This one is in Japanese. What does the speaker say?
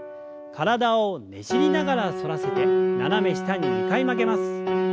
体をねじりながら反らせて斜め下に２回曲げます。